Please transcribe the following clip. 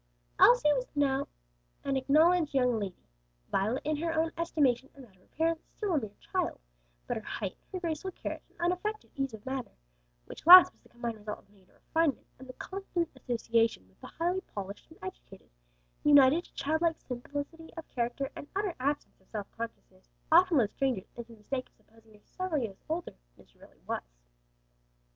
Elsie was now an acknowledged young lady; Violet in her own estimation and that of her parents', still a mere child; but her height, her graceful carriage and unaffected ease of manner which last was the combined result of native refinement and constant association with the highly polished and educated, united to childlike simplicity of character and utter absence of self consciousness often led strangers into the mistake of supposing her several years older than she really was.